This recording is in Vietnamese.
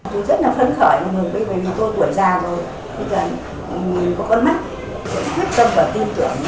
tôi rất là phấn khởi mừng bây giờ vì tôi tuổi già rồi